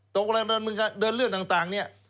ตรงเรื่องต่างเนี่ย